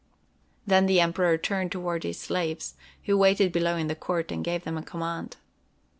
Then the Emperor turned toward his slaves, who waited below in the court, and gave them a command.